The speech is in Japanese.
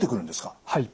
はい。